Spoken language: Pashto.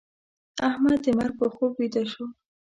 احمد د مرګ په خوب ويده شو.